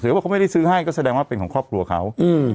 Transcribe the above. ว่าเขาไม่ได้ซื้อให้ก็แสดงว่าเป็นของครอบครัวเขา